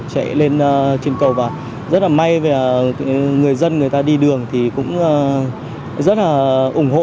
chạy lên trên cầu và rất là may về người dân người ta đi đường thì cũng rất là ủng hộ